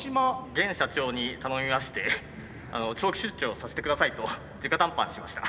現社長に頼みまして長期出張させてくださいとじか談判しました。